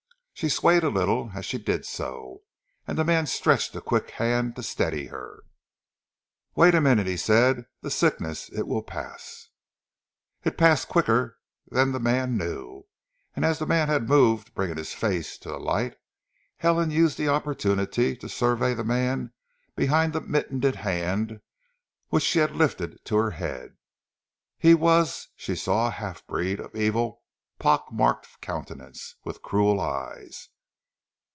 She swayed a little as she did so, and the man stretched a quick hand to steady her. "Vait min'te," he said, "zee seeckness et veel pass." It passed quicker than the man knew, and as the man had moved, bringing his face to the light, Helen used the opportunity to survey the man behind the mittened hand which she had lifted to her head. He was, she saw, a half breed of evil, pock marked countenance, with cruel eyes.